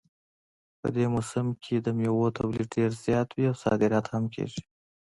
په دې موسم کې د میوو تولید ډېر زیات وي او صادرات هم کیږي